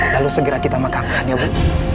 lalu segera kita makamkan ya bu